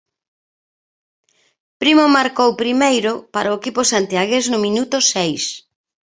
Primo marcou primeiro para o equipo santiagués no minuto seis.